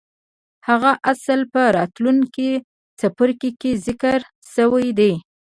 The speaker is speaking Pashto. هغه اصل په راتلونکي څپرکي کې ذکر شوی دی.